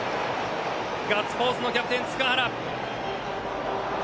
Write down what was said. ガッツポーズのキャプテン塚原。